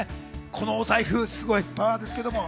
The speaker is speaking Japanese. この財布、すごいパワーですけど。